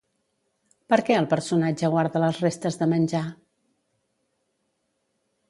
Per què el personatge guarda les restes de menjar?